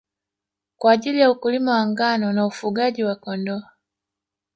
Kwa ajili ya ukulima wa ngano na ufugaji wa Kondoo